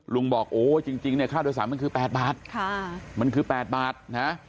บอกโอ้จริงเนี่ยค่าโดยสารมันคือ๘บาทมันคือ๘บาทนะ